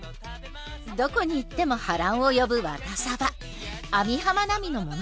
どこに行っても波乱を呼ぶワタサバ網浜奈美の物語。